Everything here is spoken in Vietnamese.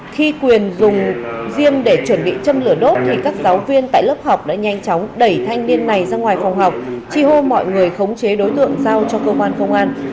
khi quyền dùng riêng để chuẩn bị châm lửa đốt thì các giáo viên tại lớp học đã nhanh chóng đẩy thanh niên này ra ngoài phòng học chi hô mọi người khống chế đối tượng giao cho cơ quan công an